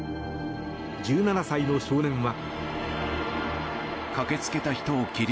１７歳の少年は。